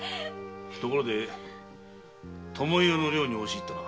ところで巴屋の寮に押し入ったな。